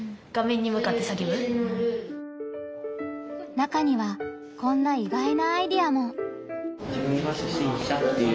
中にはこんな意外なアイデアも。